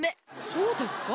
そうですか？